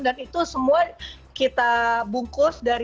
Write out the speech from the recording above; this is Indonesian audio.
dan itu semua kita bungkus